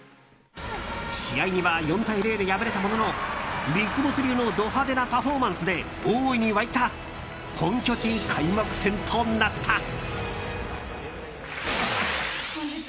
試合には４対０で敗れたもののＢＩＧＢＯＳＳ流のド派手なパフォーマンスで大いに沸いた本拠地開幕戦となった。